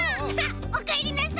おかえりなさい！